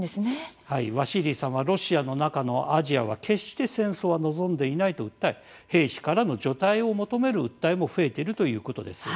ワシーリーさんは「ロシアの中のアジア」は決して戦争は望んでいないと訴え兵士からの除隊を求める訴えも増えているということです。